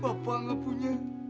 bapak gak punya